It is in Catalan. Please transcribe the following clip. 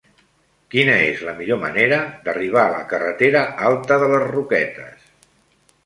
Quina és la millor manera d'arribar a la carretera Alta de les Roquetes?